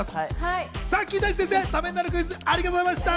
金田一先生、ためになるクイズありがとうございました。